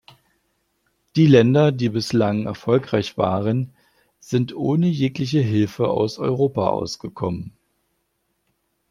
Die Länder, die bislang erfolgreich waren, sind ohne jegliche Hilfe aus Europa ausgekommen.